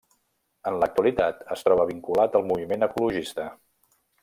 En l'actualitat es troba vinculat al moviment ecologista.